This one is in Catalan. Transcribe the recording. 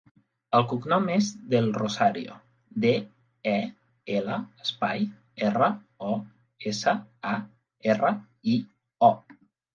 El cognom és Del Rosario: de, e, ela, espai, erra, o, essa, a, erra, i, o.